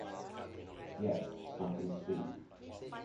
Yes. Something sweet.